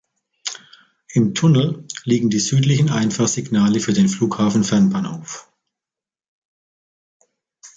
Im Tunnel liegen die südlichen Einfahrsignale für den Flughafen-Fernbahnhof.